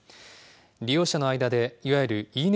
利用者の間でいわゆる、いいね！